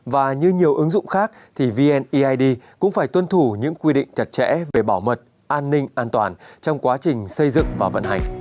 và như nhiều ứng dụng khác thì vneid cũng phải tuân thủ những quy định chặt chẽ về bảo mật an ninh an toàn trong quá trình xây dựng và vận hành